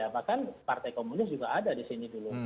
bahkan partai komunis juga ada di sini dulu